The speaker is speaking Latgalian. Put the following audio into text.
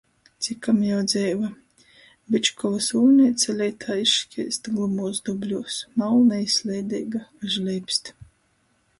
Cikom jau dzeiva. Bičkovys ūļneica leitā izškeist glumūs dubļūs. Malna i sleideiga. Až leipst.